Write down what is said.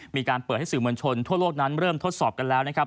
มีการเปิดให้สื่อมวลชนทั่วโลกนั้นเริ่มทดสอบกันแล้วนะครับ